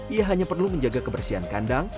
ia hanya perlu menjaga kebersihan kandang